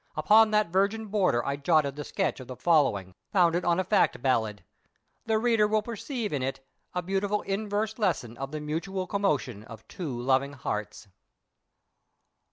Upon that virgin border I jotted the sketch of the following founded on fact ballad. The reader will perceive in it a beautiful inverse lesson of the mutual commotion of two loving hearts.